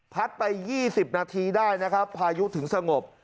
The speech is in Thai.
พัดไปยี่สิบนาทีได้นะครับพายุถึงสงบ